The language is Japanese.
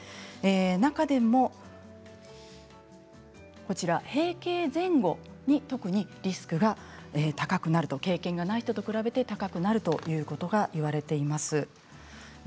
中でも閉経前後に特にリスクが高くなる、経験がない人と比べて高くなるということが言われています。